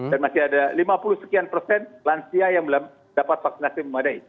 dan masih ada lima puluh sekian persen lansia yang belum dapat vaksinasi memadai